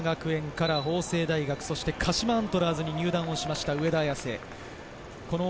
鹿島学園から法政大学、そして鹿島アントラーズに入団しました、上田綺世。